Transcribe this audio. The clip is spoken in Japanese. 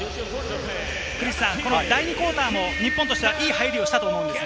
第２クオーターも日本としてはいい入りをしたと思うんですが。